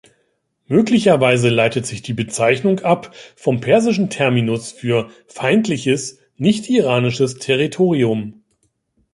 Möglicherweise leitet sich die Bezeichnung ab vom persischen Terminus für „feindliches, nicht-iranisches Territorium“.